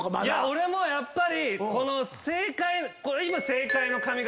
いや俺もやっぱりこの正解。